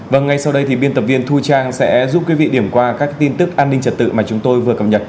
vâng ngay sau đây thì biên tập viên thu trang sẽ giúp quý vị điểm qua các tin tức an ninh trật tự mà chúng tôi vừa cập nhật